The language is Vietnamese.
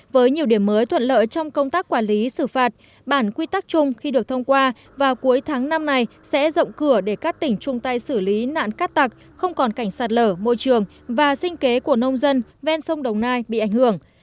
với nhiều điểm mới thuận lợi trong công tác quản lý xử phạt bản quy tắc chung khi được thông qua vào cuối tháng năm này sẽ rộng cửa để các tỉnh chung tay xử lý nạn cắt tặc không còn cảnh sạt lở môi trường và sinh kế của nông dân ven sông đồng nai bị ảnh hưởng